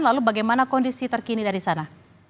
lalu bagaimana kondisi terkini dari sana